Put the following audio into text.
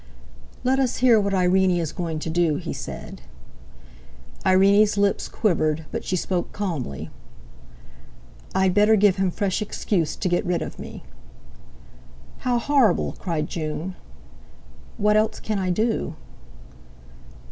"Let us hear what Irene is going to do," he said. Irene's lips quivered, but she spoke calmly. "I'd better give him fresh excuse to get rid of me." "How horrible!" cried June. "What else can I do?"